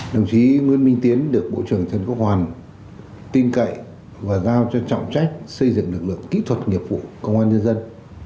đồng chí nguyễn minh tiến được bộ trưởng trần quốc hoàn tin cậy và giao cho trọng trách xây dựng lực lượng kỹ thuật nghiệp vụ công an nhân dân